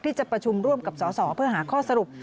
ที่จะประชุมร่วมกับสสเพื่อหาข้อสรุป